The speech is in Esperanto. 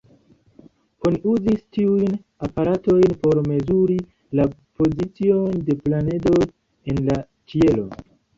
Oni uzis tiujn aparatojn por mezuri la pozicion de planedoj en la ĉielo.